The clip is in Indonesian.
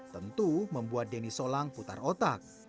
tentu membuat denny solang putar otak